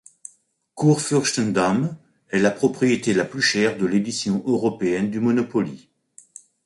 Kurfürstendamm est la propriété la plus chère de l'édition européenne du Monopoly.